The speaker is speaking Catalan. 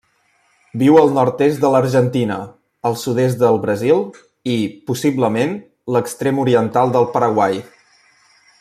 Viu al nord-est de l'Argentina, el sud-est del Brasil i, possiblement, l'extrem oriental del Paraguai.